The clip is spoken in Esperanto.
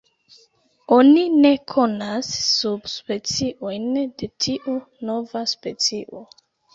Oni ne konas subspeciojn de tiu “nova” specio.